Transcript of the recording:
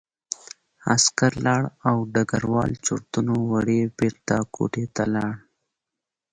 عسکر لاړ او ډګروال چورتونو وړی بېرته کوټې ته لاړ